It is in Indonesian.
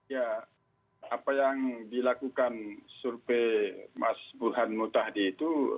ya apa yang dilakukan survei mas burhan mutahdi itu